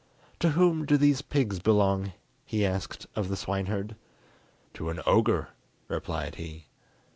"To whom do these pigs belong?" he asked of the swineherd. "To an ogre," replied he.